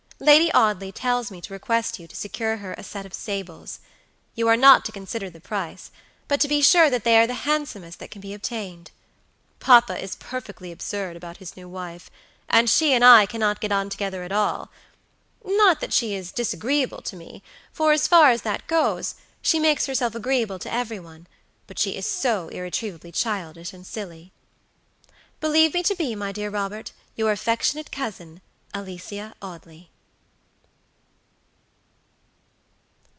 Lady Audley tells me to request you to secure her a set of sables. You are not to consider the price, but to be sure that they are the handsomest that can be obtained. Papa is perfectly absurd about his new wife, and she and I cannot get on together at all; not that she is disagreeable to me, for, as far as that goes, she makes herself agreeable to every one; but she is so irretrievably childish and silly. "Believe me to be, my dear Robert. "Your affectionate cousin, "ALICIA AUDLEY."